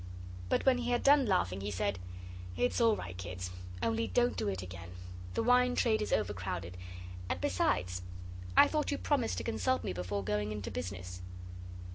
But when he had done laughing he said, 'It's all right, kids. Only don't do it again. The wine trade is overcrowded; and besides, I thought you promised to consult me before going into business?